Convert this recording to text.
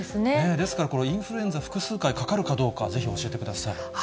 ですから、インフルエンザ、複数回かかるかどうか、ぜひ教えてください。